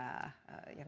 yang kita inginkan